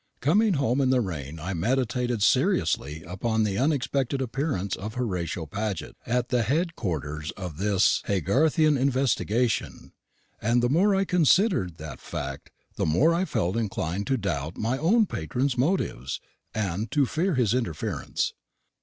Coming home in the train I meditated seriously upon the unexpected appearance of Horatio Paget at the head quarters of this Haygarthian investigation; and the more I considered that fact, the more I felt inclined to doubt my patron's motives, and to fear his interference.